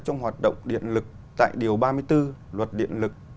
trong hoạt động điện lực tại điều ba mươi bốn luật điện lực